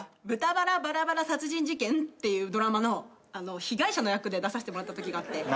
『豚バラバラバラ殺人事件』っていうドラマのあの被害者の役で出させてもらったときがあって。